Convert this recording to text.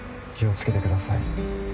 気を付けてください